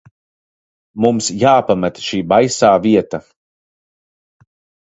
Mums jāpamet šī baisā vieta.